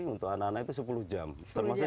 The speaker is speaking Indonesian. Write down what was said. untuk anak anak itu sepuluh jam termasuk